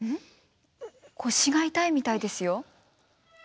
腰が痛いみたいですよ。